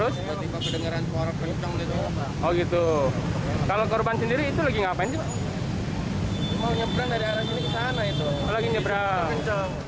semua menyeberang dari arah sini ke sana